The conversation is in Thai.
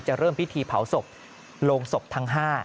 เริ่มพิธีเผาศพโรงศพทั้ง๕